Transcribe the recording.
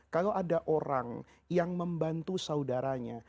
kalau ada orang yang membantu saudaranya